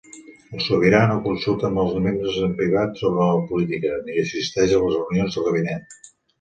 El Sobirà no consulta amb els membres en privat sobre política, ni assisteix a les reunions del gabinet.